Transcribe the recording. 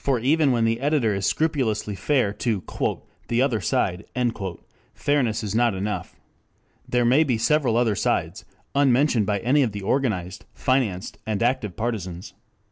For even when the editor is scrupulously fair to "the other side," fairness is not enough. There may be several other sides, unmentioned by any of the organized, financed and active partisans.